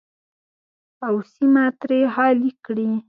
او سیمه ترې خالي کړي.